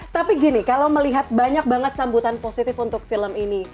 tapi gini kalau melihat banyak banget sambutan positif untuk film ini